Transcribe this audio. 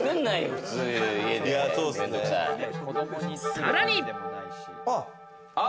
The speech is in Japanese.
さらに！